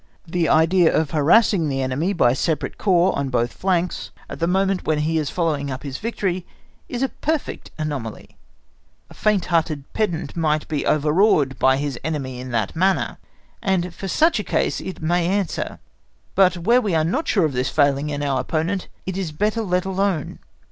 The idea of harassing the enemy by separate corps on both flanks at the moment when he is following up his victory, is a perfect anomaly; a faint hearted pedant might be overawed by his enemy in that manner, and for such a case it may answer; but where we are not sure of this failing in our opponent it is better let alone.